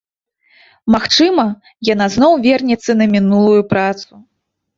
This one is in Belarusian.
Магчыма, яна зноў вернецца на мінулую працу.